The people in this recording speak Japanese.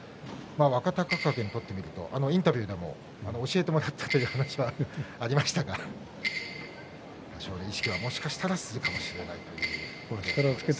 若隆景にとってみるとインタビューでも教えてもらったという話がありましたが多少の意識はもしかしたらするかもしれないという。